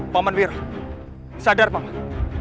paman wiram sadar paman